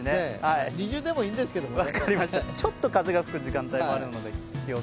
◎でもいいんですけどね。